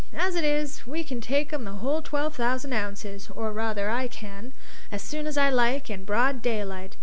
As it is, we can take 'em the whole twelve thousand ounces, or rather I can, as soon as I like, in broad daylight.